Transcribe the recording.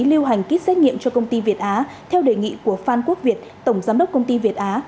lưu hành kýt xét nghiệm cho công ty việt á theo đề nghị của phan quốc việt tổng giám đốc công ty việt á